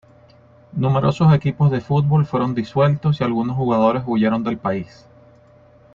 Numerosos equipos de fútbol fueron disueltos y algunos jugadores huyeron del país.